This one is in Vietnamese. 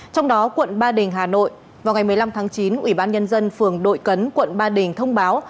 trong đó quận ba đình hà nội vào ngày một mươi năm tháng chín ủy ban nhân dân phường đội cấn quận ba đình thông báo